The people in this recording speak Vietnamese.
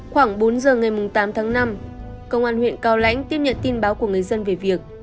khoảng bốn giờ ngày tám tháng năm công an huyện cao lãnh tiếp nhận tin báo của người dân về việc